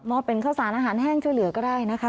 เป็นข้าวสารอาหารแห้งช่วยเหลือก็ได้นะคะ